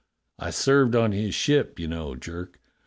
I served on his ship, you know. Jerk.